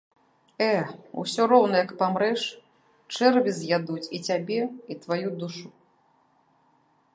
Э, усё роўна, як памрэш, чэрві з'ядуць і цябе, і тваю душу.